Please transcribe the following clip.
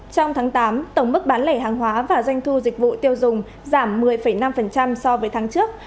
trong tháng tám tổng mức bán lẻ hàng hóa và doanh thu dịch vụ tiêu dùng giảm một mươi năm so với tháng trước